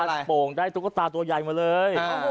โป่งได้ตุ๊กตาตัวใหญ่มาเลย